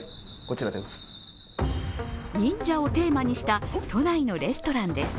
忍者をテーマにしたレストランです。